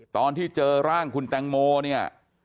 ตอนที่เจอร่างคุณแตงโมเนี่ย